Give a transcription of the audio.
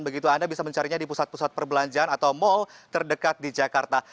begitu anda bisa mencarinya di pusat pusat perbelanjaan atau mall terdekat di jakarta